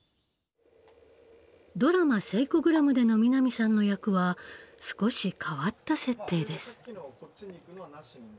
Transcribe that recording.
ドラマ「セイコグラム」での南さんの役は少し変わった設定です。